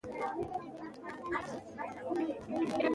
لوگر د افغانستان د هیوادوالو لپاره ویاړ دی.